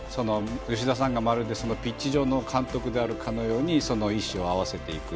吉田さんがまさにピッチ上の監督であるかのように意思を合わせていく。